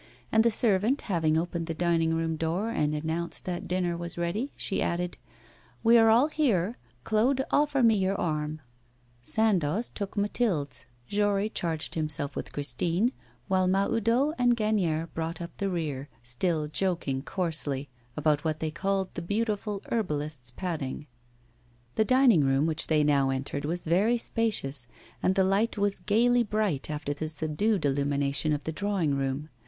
And the servant having opened the dining room door and announced that dinner was ready, she added: 'We are all here. Claude, offer me your arm.' Sandoz took Mathilde's, Jory charged himself with Christine, while Mahoudeau and Gagnière brought up the rear, still joking coarsely about what they called the beautiful herbalist's padding. The dining room which they now entered was very spacious, and the light was gaily bright after the subdued illumination of the drawing room.